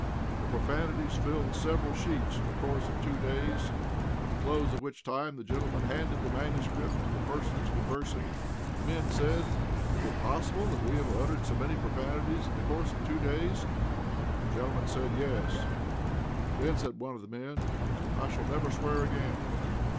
The profanities filled several sheets in the course of two days, at the close of which time the gentleman handed the manuscript to the persons conversing. The men said: "Is it possible that we have uttered so many profanities in the course of two days?" The gentleman said: "Yes." "Then," said one of the men, "I shall never swear again."